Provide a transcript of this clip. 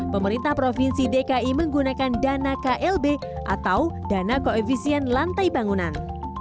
pemerintah provinsi dki menggunakan dana klb atau dana koefisien lantai bangunan